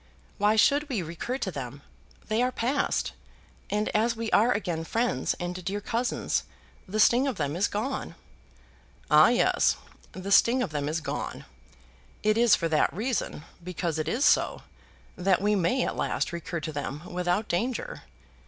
"Why should we recur to them? They are passed, and as we are again friends and dear cousins the sting of them is gone." "Ah, yes! The sting of them is gone. It is for that reason, because it is so, that we may at last recur to them without danger.